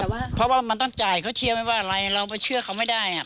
เพราะว่าเพราะว่ามันต้องจ่ายเขาเชียร์ไม่ว่าอะไรเราไปเชื่อเขาไม่ได้อ่ะ